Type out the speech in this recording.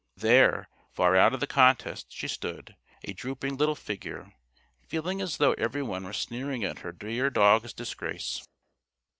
There, far out of the contest, she stood, a drooping little figure, feeling as though everyone were sneering at her dear dog's disgrace.